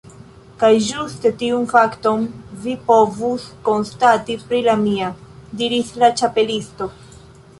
"Kaj ĝuste tiun fakton vi povus konstati pri la mia," diris la Ĉapelisto.